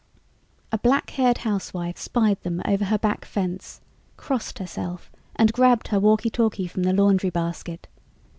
A black haired housewife spied them over her back fence, crossed herself and grabbed her walkie talkie from the laundry basket.